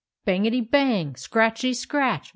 " Bangety bang ! scratchety scratch